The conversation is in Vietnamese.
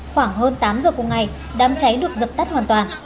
khoảng hơn tám giờ cùng ngày đám cháy được dập tắt hoàn toàn